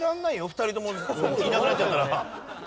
２人ともいなくなっちゃったら。